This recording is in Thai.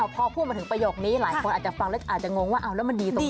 พอพูดมาถึงประโยคนี้หลายคนอาจจะฟังแล้วอาจจะงงว่าเอาแล้วมันดีตรงไหน